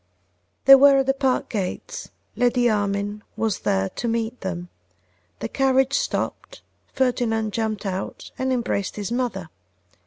They were at the park gates: Lady Armine was there to meet them. The carriage stopped; Ferdinand jumped out and embraced his mother.